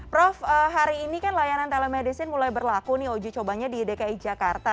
prof hari ini kan layanan telemedicine mulai berlaku nih uji cobanya di dki jakarta